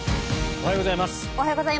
おはようございます。